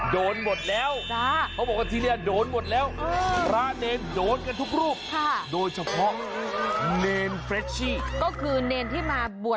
โดนหมดแล้วเพราะบ